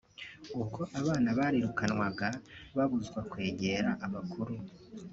ubwo abana birukanwaga babuzw akwegera abakuru